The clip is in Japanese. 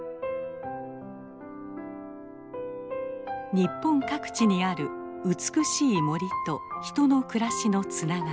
日本各地にある美しい森と人の暮らしのつながり。